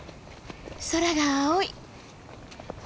空が青い！